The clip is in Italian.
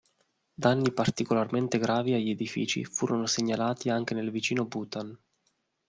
Danni particolarmente gravi agli edifici furono segnalati anche nel vicino Bhutan.